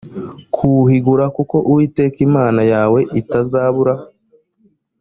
kuwuhigura kuko uwiteka imana yawe itazabura